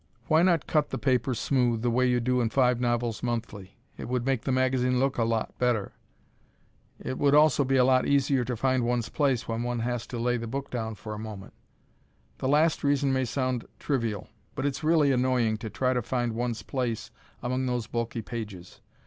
Why not cut the paper smooth, the way you do in Five Novels Monthly? It would make the magazine look a lot better. It would also be a lot easier to find one's place when one has to lay the book down for a moment. The last reason may sound trivial, but it's really annoying to try to find one's place among those bulky pages.